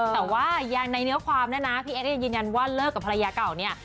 แต่ว่ายังในเนื้อความนั้นนะพี่แอดจะยืนยันว่าเลิกกับภรรยาเก่าเนี่ย